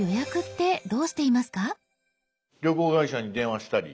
旅行会社に電話したり。